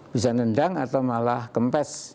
bisa nendang atau malah kempes